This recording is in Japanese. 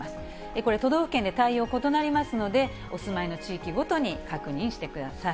これ、都道府県で対応、異なりますので、お住まいの地域ごとに確認してください。